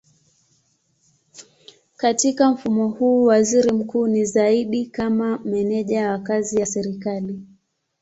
Katika mfumo huu waziri mkuu ni zaidi kama meneja wa kazi ya serikali.